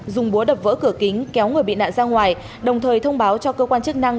dùng búa đập vỡ cửa kính kéo người bị nạn ra ngoài đồng thời thông báo cho cơ quan chức năng